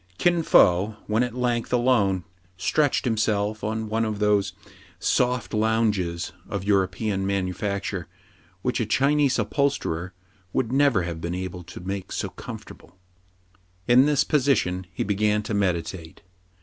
Kin Fo, when at length alone, stretched himself on one of those AN IMPORTANT LETTER. 43 soft lounges of European manufacture which a Chinese upholsterer would never have been able to make so comfortable. In this position he began to meditate.